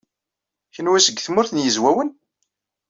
Kenwi seg Tmurt n Yizwawen?